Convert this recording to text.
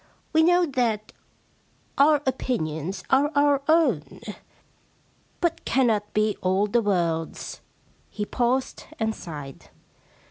We know that our opinions are our own, but cannot be all the world's.' He paused and sighed.